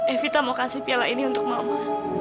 evita mau kasih piala ini untuk mama